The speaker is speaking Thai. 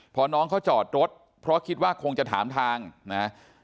พอน้องเขาจอดรถเพราะคิดว่าคงจะถามทางนะ